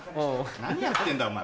何やってんだお前